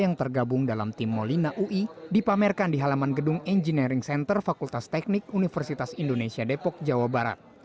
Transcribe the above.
yang tergabung dalam tim molina ui dipamerkan di halaman gedung engineering center fakultas teknik universitas indonesia depok jawa barat